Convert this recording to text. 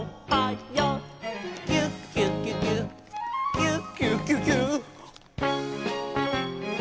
「キュキュキュキュキュキュキュキュ」